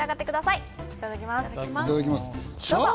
いただきます。